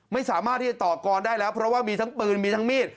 ไม่สามารถที่จะต่อกรได้แล้วเพราะว่ามีทั้งปืนมีทั้งมีด